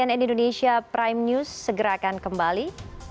dan cnn indonesia prime news segera akan kembali